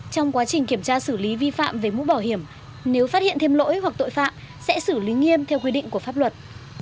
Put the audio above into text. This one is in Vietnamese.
trong quá trình kiểm tra xử lý vi phạm về mũ bảo hiểm nếu phát hiện thêm lỗi hoặc tội phạm sẽ xử lý nghiêm theo quy định của pháp luật